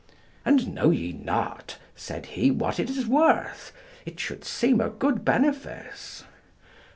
"And know ye not," said he, "what it is worth? it should seem a good benefice."